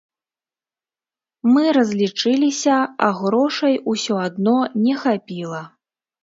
Мы разлічыліся, а грошай усё адно не хапіла.